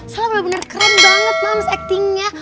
salah bener bener keren banget mams actingnya